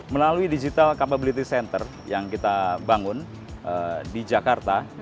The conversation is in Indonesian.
melalui digital capability center yang kita bangun di jakarta